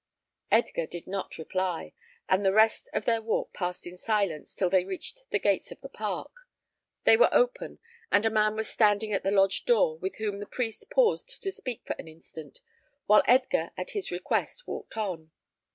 Edgar did not reply, and the rest of their walk passed in silence till they reached the gates of the park. They were open, and a man was standing at the lodge door, with whom the priest paused to speak for an instant, while Edgar, at his request, walked on.